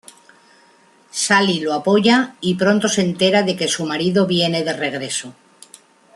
Sally lo apoya, y pronto se entera de que su marido viene de regreso.